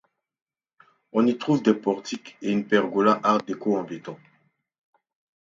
On y trouve des portiques et une pergola Art déco en béton.